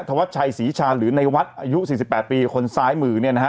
วัดชัยศรีชาหรือในวัดอายุ๔๘ปีคนซ้ายมือเนี่ยนะฮะ